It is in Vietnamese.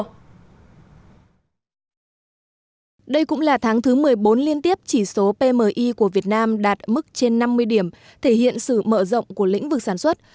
đây cũng là tháng thứ một mươi bốn liên tiếp chỉ số pmi của việt nam đạt mức trên năm mươi điểm thể hiện sự mở rộng của lĩnh vực sản xuất